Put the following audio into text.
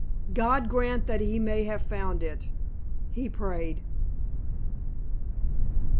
"God grant that he may have found it," he prayed.